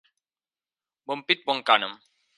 Bon pit, bon cànem.